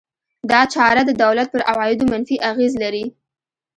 دا چاره د دولت پر عوایدو منفي اغېز لري.